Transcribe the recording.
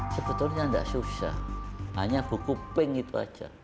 sebetulnya tidak susah hanya buku pink itu saja